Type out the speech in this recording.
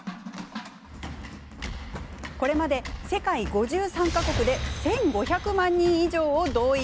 これまで世界５３か国で１５００万人以上を動員。